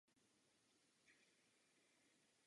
Důvody tohoto rozporu nejsou známé.